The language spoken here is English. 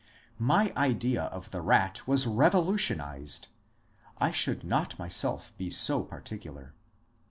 My idea of the rat was revolutionized. I should not myself be so particular.